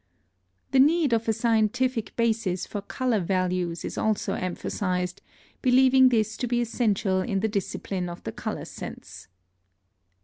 The need of a scientific basis for color values is also emphasized, believing this to be essential in the discipline of the color sense.